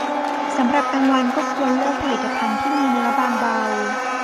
สำหรับกลางวันก็ควรเลือกผลิตภัณฑ์ที่มีเนื้อบางเบา